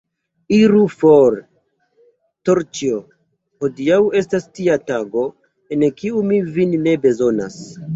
Iru for, Terĉjo, hodiaŭ estas tia tago, en kiu mi vin ne bezonas.